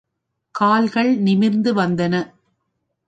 கால்கள் நிமிர்ந்து வந்தன.